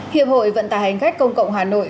hiệp hội vận tài hành khách công cộng hà nội